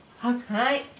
はい。